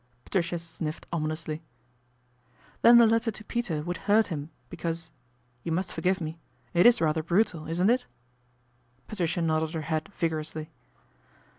Patricia sniffed ominously. "Then the letter to Peter would hurt hiiri A BOMBSHELL 175 because you must forgive me it is rather brutal, isn't it ?" Patricia nodded her head vigorously.